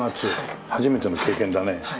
初めての経験だね。